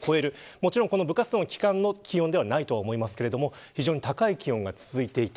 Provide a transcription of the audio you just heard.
もちろん部活動の期間の気温ではないと思いますが非常に高い気温が続いていた。